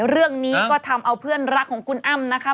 เรื่องนี้ก็ทำเอาเพื่อนรักของคุณอ้ำนะคะ